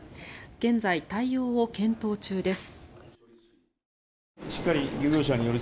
現在、対応を検討中です。